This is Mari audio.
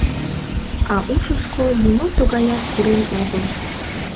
А ушышко нимо тугаят пурен огыл.